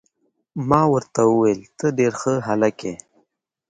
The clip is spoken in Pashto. ما ورته وویل: ته ډیر ښه هلک يې.